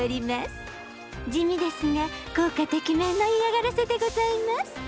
地味ですが効果てきめんの嫌がらせでございます。